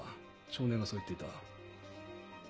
少年がそう言っていた。